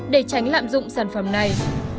để tránh lạm dụng sản phẩm này